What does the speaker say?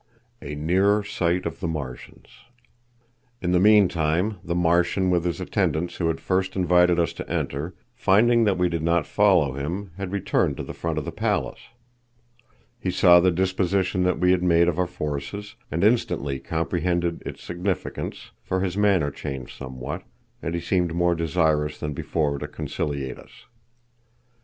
A Nearer Sight of the Martians. In the meantime the Martian with his attendants who had first invited us to enter, finding that we did not follow him, had returned to the front of the palace. He saw the disposition that we had made of our forces, and instantly comprehended its significance, for his manner changed somewhat, and he seemed more desirous than before to conciliate us.